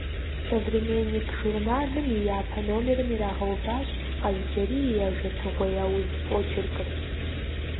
«Современник» журналым и япэ номерым ирагъэуващ Къаз-Джэрий и «Ажэтыгъуей ауз» очеркыр.